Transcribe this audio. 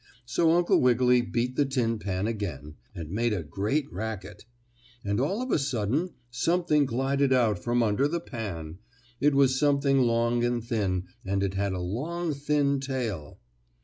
So Uncle Wiggily beat the tin pan again, and made a great racket, and, all of a sudden something glided out from under the pan. It was something long and thin, and it had a long, thin tail.